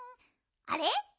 あれ？